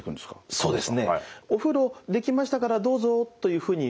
そうですね。